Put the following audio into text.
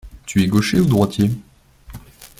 Tu es gaucher ou droitier?